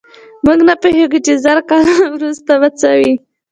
موږ نه پوهېږو چې زر کاله وروسته به څه وي.